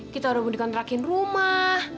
kita udah bunuh kontrakin rumah